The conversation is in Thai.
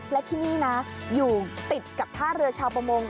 และที่นี่นะอยู่ติดกับท่าเรือชาวประมง